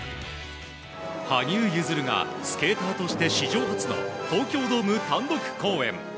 羽生結弦がスケーターとして史上初の東京ドーム単独公演。